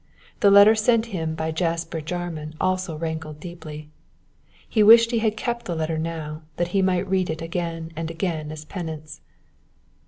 The letter sent him by Jasper Jarman also rankled deeply. He wished he had kept the letter now, that he might read it again and again as a penance.